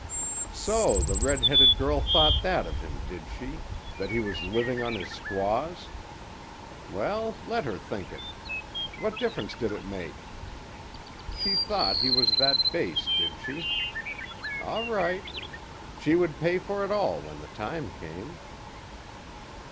So the red headed girl thought that of him, did she—that he was living on his squaws? Well, let her think it. What difference did it make? She thought he was that base, did she? All right. She would pay for it all when the time came.